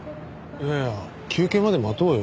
いやいや休憩まで待とうよ。